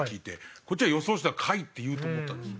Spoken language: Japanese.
こっちは予想してた甲斐って言うと思ったんですよ。